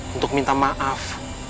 untuk minta maaf